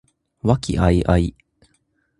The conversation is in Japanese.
和気藹々